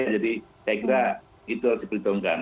jadi saya kira itu harus diperhitungkan